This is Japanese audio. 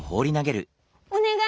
おねがい！